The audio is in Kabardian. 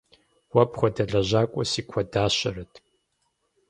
Уэ пхуэдэ лэжьакӀуэ си куэдащэрэт.